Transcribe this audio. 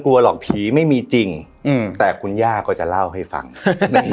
กลัวหรอกผีไม่มีจริงอืมแต่คุณย่าก็จะเล่าให้ฟังใน